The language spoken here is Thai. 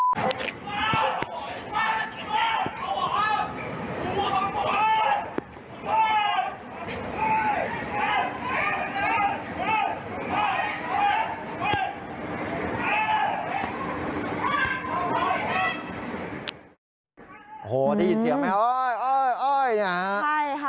โอ้โหได้ยินเสียงไหมโอ้ยโอ้ยโอ้ยนะฮะ